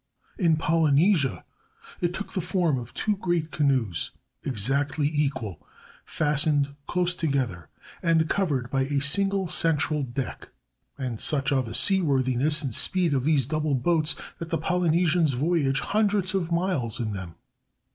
In Polynesia it took the form of two great canoes, exactly equal, fastened close together and covered by a single central deck; and such are the seaworthiness and speed of these double boats, that the Polynesians voyage hundreds of miles in them.